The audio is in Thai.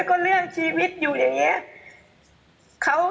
โอเค